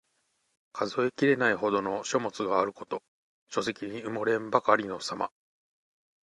数えきれないほどの書物があること。書籍に埋もれんばかりのさま。